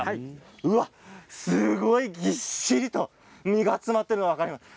すごいぎっしりと実が詰まっているのが分かります。